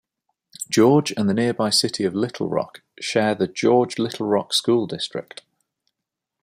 George and the nearby city of Little Rock share the George-Little Rock School District.